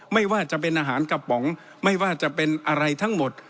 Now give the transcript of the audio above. ไม่ว่าจะเป็นอาหารกระป๋องไม่ว่าจะเป็นอะไรทั้งหมด